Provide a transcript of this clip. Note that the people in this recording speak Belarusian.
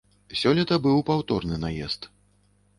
Сёлета быў паўторны наезд.